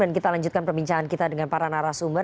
dan kita lanjutkan perbincangan kita dengan para narasumber